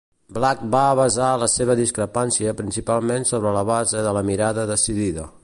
Black va basar la seva discrepància principalment sobre la base de la "mirada decidida".